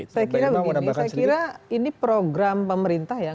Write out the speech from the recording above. saya kira begini saya kira ini program pemerintah ya